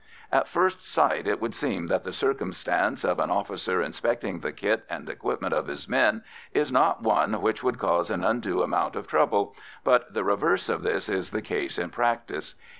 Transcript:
At first sight, it would seem that the circumstance of an officer inspecting the kit and equipment of his men is not one which would cause an undue amount of trouble, but the reverse of this is the case in practice.